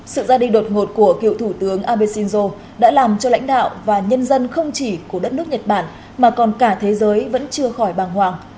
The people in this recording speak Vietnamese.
sự ra đi đột ngột của cựu thủ tướng abe shinzo đã làm cho lãnh đạo và nhân dân không chỉ của đất nước nhật bản mà còn cả thế giới vẫn chưa khỏi bàng hoàng